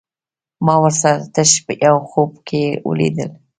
ما ورسره تش يو خوب کې وليدل